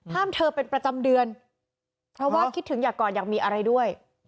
เธอเป็นประจำเดือนเพราะว่าคิดถึงอยากกอดอยากมีอะไรด้วย